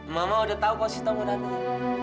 mama udah tau kalau sita mau datang ya